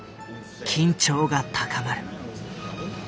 緊張が高まる。